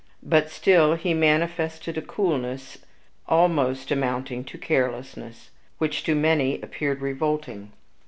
But still he manifested a coolness almost amounting to carelessness, which to many appeared revolting.